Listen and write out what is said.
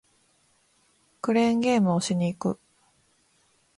クレーンゲームをしに行く